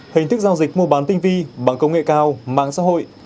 hình thức giao dịch mua bán tinh vi bằng công nghệ cao mạng xã hội